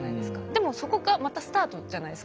でもそこがまたスタートじゃないですかある意味。